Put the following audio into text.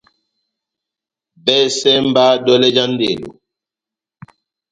Vɛsɛ mba dɔlɛ já ndelo.